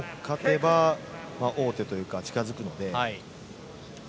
勝てば王手というか近付くので。